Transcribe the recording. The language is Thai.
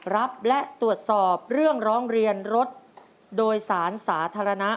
รับและตรวจสอบเรื่องร้องเรียนรถโดยสารสาธารณะ